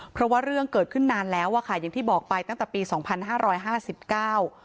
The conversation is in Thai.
เพราะว่าเรื่องเกิดขึ้นนานแล้วอ่ะค่ะอย่างที่บอกไปตั้งแต่ปีสองพันห้าร้อยห้าสิบเก้า